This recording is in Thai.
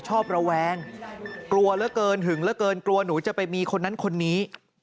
ระแวงกลัวเหลือเกินหึงเหลือเกินกลัวหนูจะไปมีคนนั้นคนนี้